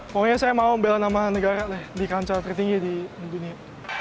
pokoknya saya mau membela nama negara lah di kancah tertinggi di dunia